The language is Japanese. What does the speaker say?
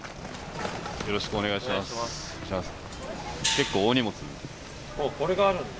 よろしくお願いします。